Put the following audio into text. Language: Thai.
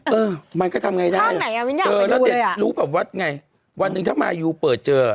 เออมันก็ทำไงได้เออแล้วเด็กรู้แบบว่าไงวันหนึ่งถ้ามายูเปิดเจอ